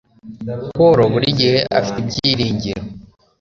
Paul, burigihe afite ibyiringiro